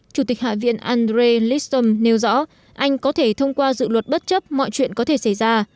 chủ tịch hạ viện andre listom nêu rõ anh có thể thông qua dự luật bất chấp mọi chuyện có thể xảy ra